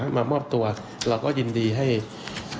ก็มีการออกรูปรวมปัญญาหลักฐานออกมาจับได้ทั้งหมด